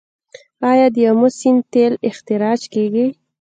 آیا د امو سیند تیل استخراج کیږي؟